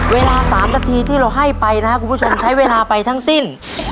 เวลา๓นาทีที่เราให้ไปนะครับคุณผู้ชมใช้เวลาไปทั้งสิ้น